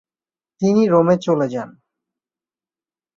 তিনি রোমে চলে যান।